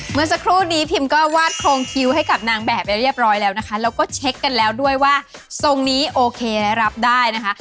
เมื่อสักครู่นี้พิมก็วาดโครงคิวให้กับนางแบบไปเรียบร้อยแล้วนะคะแล้วก็เช็คกันแล้วด้วยว่าทรงนี้โอเคและรับได้นะคะ